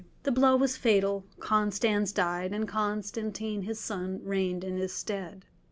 The blow was fatal, Constans died, and Constantine his son reigned in his stead.